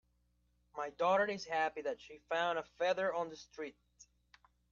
My daughter is happy that she found a feather on the street.